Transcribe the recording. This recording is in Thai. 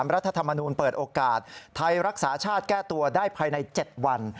รัฐธรรมนูญเปิดโอกาสไทยรักษาชาติแก้ตัวได้ภายใน๗วัน